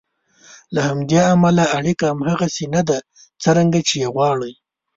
له همدې امله اړیکه هغسې نه ده څرنګه چې یې غواړئ.